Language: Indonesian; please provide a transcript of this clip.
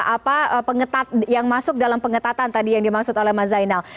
apa yang masuk dalam pengetatan tadi yang dimaksud oleh mas zainal